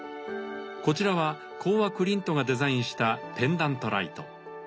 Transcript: こちらはコーア・クリントがデザインしたペンダントライト。